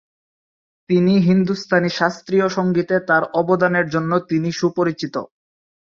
তিনি হিন্দুস্তানি শাস্ত্রীয় সংগীতে তার অবদানের জন্য তিনি সুপরিচিত।